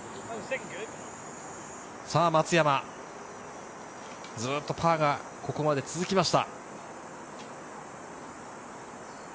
さぁ、松山、ずっとパーがここまで続きました。